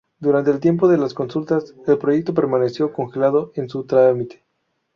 Durante el tiempo de las consultas, el proyecto permaneció congelado en su trámite.